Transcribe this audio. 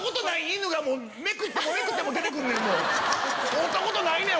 会うたことないねん！